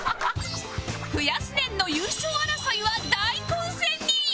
「増やすねん」の優勝争いは大混戦に！